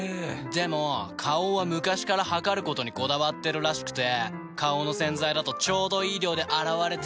でも花王は昔から量ることにこだわってるらしくて花王の洗剤だとちょうどいい量で洗われてるなって。